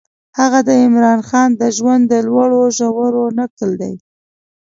هغه د عمرا خان د ژوند د لوړو ژورو نکل دی.